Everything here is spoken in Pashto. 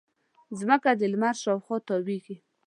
مځکه د لمر شاوخوا تاوېږي.